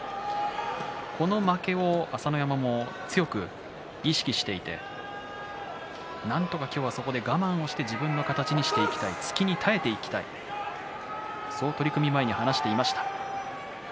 この負けを朝乃山も強く意識してなんとか今日はそこで我慢して自分の形にしていきたい突きに耐えていきたいと取組前に話していました。